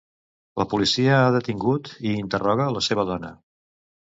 La policia ha detingut i interroga la seva dona.